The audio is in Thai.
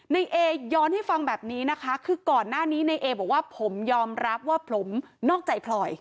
ในเอย้อนให้ฟังแบบนี้นะคะคือก่อนหน้านี้ในเอบอกว่าผมยอมรับว่าผมนอกใจพลอย